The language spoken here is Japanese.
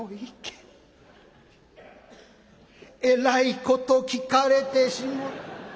えらいこと聞かれてしもた。